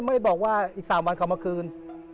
ไม่บอกว่าอีก๓วันเขามาคืน